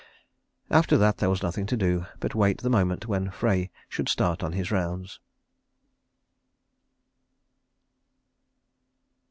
After that there was nothing to do but wait the moment when Frey should start on his rounds.